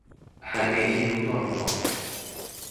還沒進入狀況